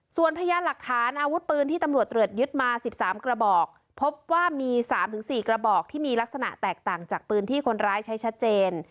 ส่วนพยานหลักฐานอาวุธปืนที่ตำรวจตรวจยึดมา๑๓กระบอกพบว่ามี๓๔กระบอกที่มีลักษณะแตกต่างจากปืนที่คนร้ายใช้ชัดเจน